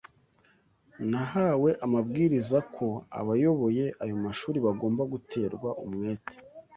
Nahawe amabwiriza ko abayoboye ayo mashuri bagomba guterwa umwete